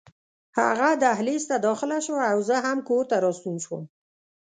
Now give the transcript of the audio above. هغه دهلېز ته داخله شوه او زه هم کور ته راستون شوم.